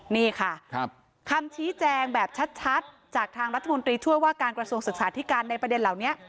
นี่ค่ะคำชี้แจงแบบชัดจากทางรัฐมนตรีช่วยว่าการกระทรวงศึกษาธิการในประเด็นเหล่านี้